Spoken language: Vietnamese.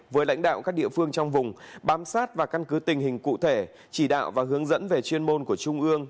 với lãnh đạo các địa phương trong vùng bám sát và căn cứ tình hình cụ thể chỉ đạo và hướng dẫn về chuyên môn của trung ương